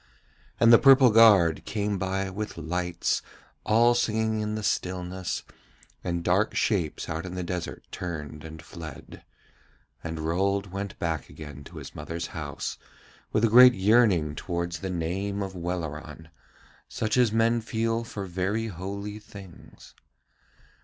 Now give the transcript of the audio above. And the purple guard came by with lights, all singing in the stillness, and dark shapes out in the desert turned and fled. And Rold went back again to his mother's house with a great yearning towards the name of Welleran, such as men feel for very holy things.